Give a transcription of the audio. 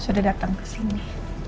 sudah datang kesini